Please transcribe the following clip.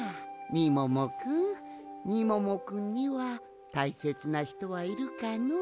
みももくんにはたいせつなひとはいるかのう？